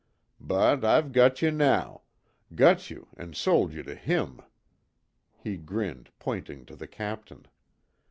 But I've got you now got you an' sold you to him," he grinned, pointing to the Captain.